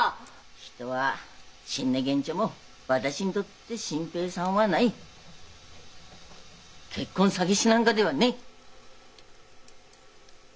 人は知んねげんちょも私にとって新平さんはない結婚詐欺師なんがではねえ！